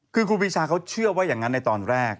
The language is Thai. คือครูปีชาเขาเชื่อว่าอย่างนั้นในตอนแรก